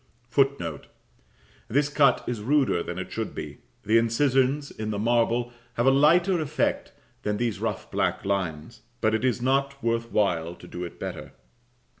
[Footnote: This cut is ruder than it should be: the incisions in the marble have a lighter effect than these rough black lines; but it is not worth while to do it better.